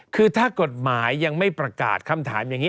คือถ้ากฎหมายยังไม่ประกาศคำถามอย่างนี้